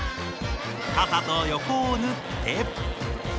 肩と横を縫って。